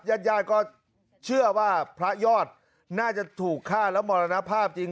ญาติญาติก็เชื่อว่าพระยอดน่าจะถูกฆ่าแล้วมรณภาพจริง